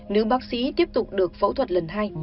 nữ bác sĩ tiếp tục được phẫu thuật lần hai